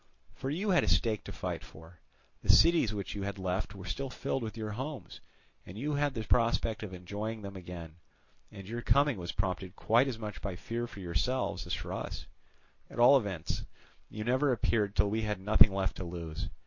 For you had a stake to fight for; the cities which you had left were still filled with your homes, and you had the prospect of enjoying them again; and your coming was prompted quite as much by fear for yourselves as for us; at all events, you never appeared till we had nothing left to lose.